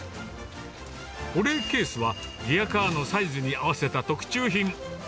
保冷ケースはリヤカーのサイズに合わせた特注品。